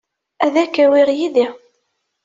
Ad k-awiɣ yid-i.